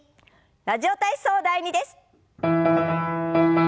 「ラジオ体操第２」です。